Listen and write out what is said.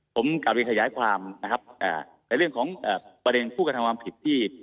ผมกลับไปขยายความในเรื่องของประเด็นผู้การทำความผิด